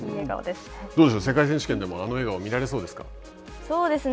どうでしょう、世界選手権でも、あの笑顔は見られそうですか。